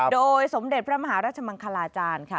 โดยสมเด็จพระมหารัชมังคลาจารย์ค่ะ